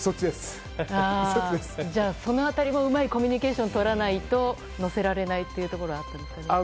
じゃあその辺りもうまいコミュニケーションをとらないと乗せられないというところがあったんですね。